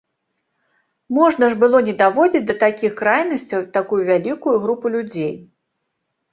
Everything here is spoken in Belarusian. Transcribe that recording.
Можна ж было не даводзіць да такіх крайнасцяў такую вялікую групу людзей.